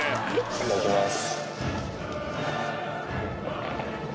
いただきます。